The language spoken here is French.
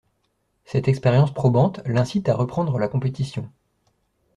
Cette expérience probante l'incite à reprendre la compétition.